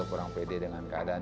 kurang pede dengan keadaan